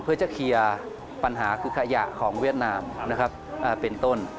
เพื่อจะเคลียร์ปัญหาคือขยะของเวียดนามนะครับเป็นต้น